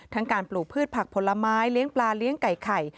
การปลูกพืชผักผลไม้เลี้ยงปลาเลี้ยงไก่ไข่